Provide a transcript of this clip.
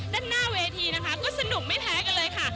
ด้านหน้าเวทีนะคะก็สนุกไม่แพ้กันเลยค่ะ